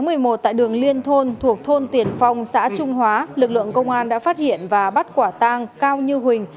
ngày một mươi bảy một mươi một tại đường liên thôn thuộc thôn tiền phong xã trung hóa lực lượng công an đã phát hiện và bắt quả tang đối tượng cao như huỳnh